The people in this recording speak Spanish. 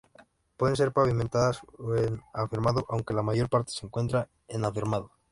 Pueden ser pavimentadas o en afirmado aunque la mayor parte se encuentran en afirmado.